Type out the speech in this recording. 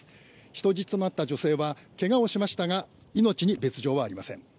人質となった女性は怪我をしましたが命に別条はありません。